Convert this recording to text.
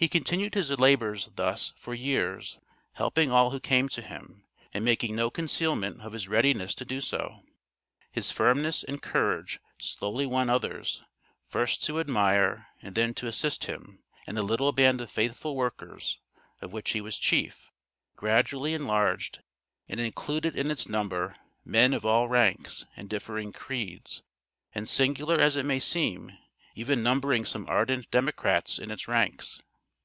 He continued his labors, thus, for years, helping all who came to him, and making no concealment of his readiness to do so. His firmness and courage slowly won others, first to admire, and then to assist him, and the little band of faithful workers, of which he was chief, gradually enlarged and included in its number, men of all ranks, and differing creeds, and, singular as it may seem, even numbering some ardent Democrats in its ranks.